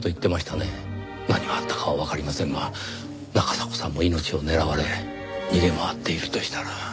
何があったかはわかりませんが中迫さんも命を狙われ逃げ回っているとしたら。